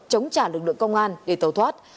chống trả lực lượng công an để tàu thoát